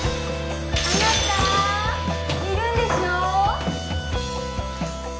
あなたいるんでしょ？